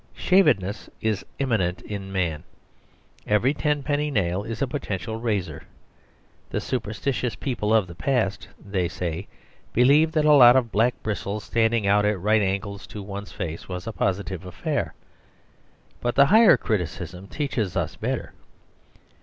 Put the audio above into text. Shavedness is immanent in man. Every ten penny nail is a Potential Razor. The superstitious people of the past (they say) believed that a lot of black bristles standing out at right angles to one's face was a positive affair. But the higher criticism teaches us better.